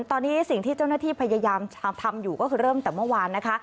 ตอนนี้สิ่งที่เจ้าหน้าที่พยายามทำอยู่ก็คือเริ่มแต่เมื่อวานนะคะ